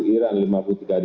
iran lima puluh tiga